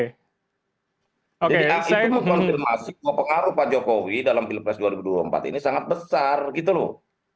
jadi itu konfirmasi bahwa pengaruh pak jokowi dalam pilpres dua ribu dua puluh empat ini sangat besar gitu loh